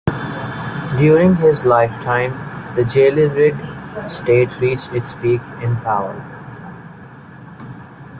During his lifetime, the Jalayirid state reached its peak in power.